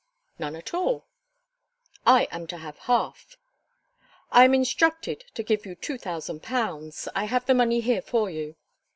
"None at all." "I am to have half." "I am instructed to give you two thousand pounds. I have the money here for you."